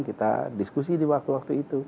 kita diskusi di waktu waktu itu